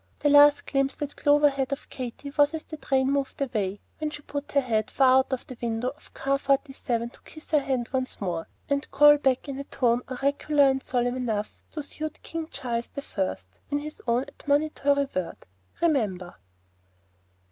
The last glimpse that Clover had of Katy was as the train moved away, when she put her head far out of the window of Car Forty seven to kiss her hand once more, and call back, in a tone oracular and solemn enough to suit King Charles the First, his own admonitory word, "Remember!"